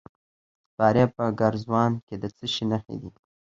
د فاریاب په ګرزوان کې د څه شي نښې دي؟